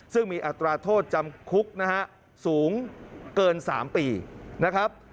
ซึ่งมีอัตราโทษจำคุกนะฮะสูงเกิน๓ปีนะครับ